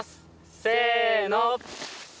せの！